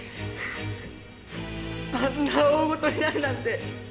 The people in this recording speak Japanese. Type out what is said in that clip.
あんな大事になるなんて。